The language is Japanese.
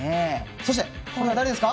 そして、これ誰ですか？